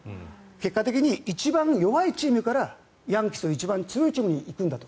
結果的に一番弱いチームからヤンキースの一番強いチームに行くんだと。